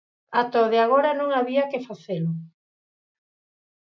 Ata o de agora non había que facelo.